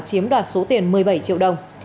chiếm đoạt số tiền một mươi bảy triệu đồng